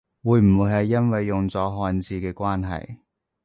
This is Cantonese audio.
會唔會係因為用咗漢字嘅關係？